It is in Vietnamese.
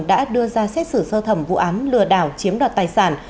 đã đưa ra xét xử sơ thẩm vụ án lừa đảo chiếm đoạt tài sản